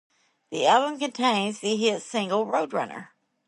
The album contains the hit single "Road Runner".